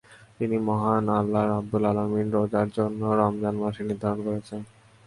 তাই মহান আল্লাহ রাব্বুল আলামিন রোজার জন্য রমজান মাসকেই নির্ধারণ করেছেন।